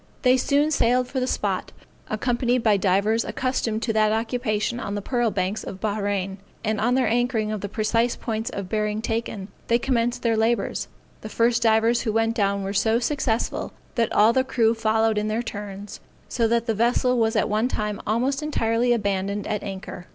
They soon sailed for the spot, accompanied by divers accustomed to that occupation on the pearl banks of Bahrain; and, on their anchoring at the precise points of bearing taken, they commenced their labors. The first divers who went down were so successful, that all the crew followed in their turns, so that the vessel was at one time almost entirely abandoned at anchor.